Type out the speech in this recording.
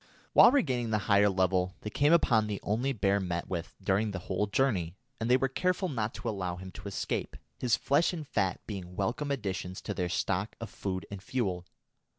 While regaining the higher level, they came upon the only bear met with during the whole journey, and they were careful not to allow him to escape, his flesh and fat being welcome additions to their stock of food and fuel.